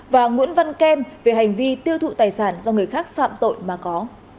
và nguyễn văn kem về hành vi tiêu thụ tài sản do người khác phạm tội mà có